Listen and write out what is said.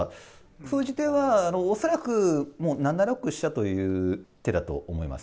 封じ手は恐らく、７六飛車という手だと思います。